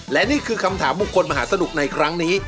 และนี่คือคำถามบุคคลมหาสนุกในครั้งนี้